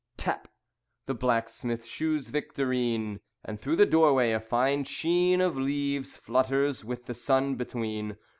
Tap! The blacksmith shoes Victorine, And through the doorway a fine sheen Of leaves flutters, with the sun between.